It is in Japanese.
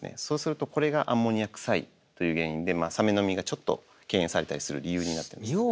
そうするとこれがアンモニア臭いという原因でサメの身がちょっと敬遠されたりする理由になってます。